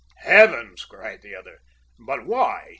"Heavens!" cried the other. "But why?